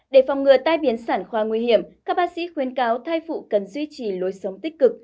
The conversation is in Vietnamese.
để phòng ngừa tai biến sản khoa nguy hiểm các bác sĩ khuyên cáo thai phụ cần duy trì lối sống tích cực